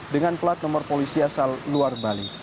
dengan plat nomor polisi asal luar bali